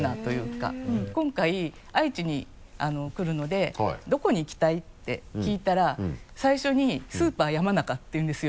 今回愛知に来るので「どこに行きたい？」って聞いたら最初に「スーパーヤマナカ」って言うんですよ。